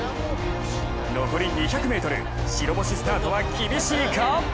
残り２００ｍ、白星スタートは厳しいか？